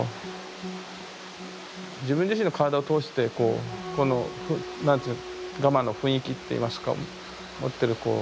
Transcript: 自分自身の体を通してこうこの何ていうかガマの雰囲気っていいますか持ってるこう。